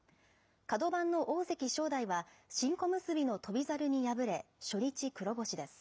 角番の大関・正代は、新小結の翔猿に敗れ、初日黒星です。